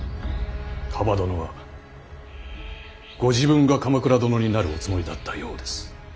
蒲殿はご自分が鎌倉殿になるおつもりだったようです。